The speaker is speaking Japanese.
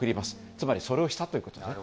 つまりそれをしたということですね。